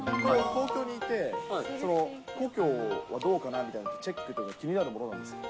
東京にいて、故郷はどうかなみたいな、チェックとか、気になるもんなんですか。